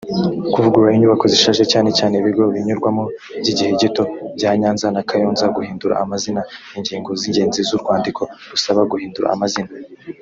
kuvugurura inyubako zishaje cyane cyane ibigo binyurwamo by igihe gito bya nyanza na kayonza guhindura amazina ingingo z ingenzi z urwandiko rusaba guhindura amazina